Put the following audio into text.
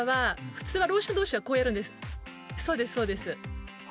そうですそうです。